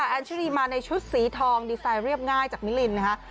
แอนชิลีมาในชุดสีทองดีไซน์เรียบง่ายจากมิลินนะคะ